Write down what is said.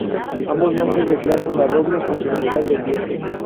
Ambos nombres declaran la doble funcionalidad del dios.